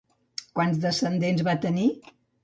Quants descendents va tenir?